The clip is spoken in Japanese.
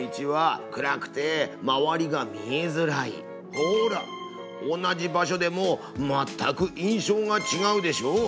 ほら同じ場所でも全く印象がちがうでしょ？